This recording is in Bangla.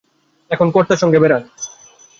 এখন কর্তার সঙ্গে বেড়ান।